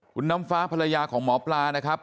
คุณน้ำฟ้าภรรยาของหมอปลานะครับ